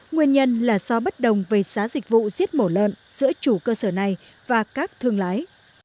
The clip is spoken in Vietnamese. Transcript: nguyên nhân là do bất đồng về giá dịch vụ giết mổ lợn giữa chủ cơ sở này và các thương lái